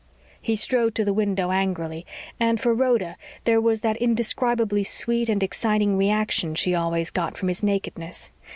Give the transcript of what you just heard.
He strode to the window angrily and, for Rhoda, there was that indescribably sweet and exciting reaction she always got from his nakedness.